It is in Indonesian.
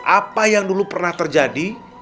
apa yang dulu pernah terjadi